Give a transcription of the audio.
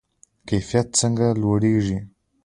کیفیت څنګه لوړیږي؟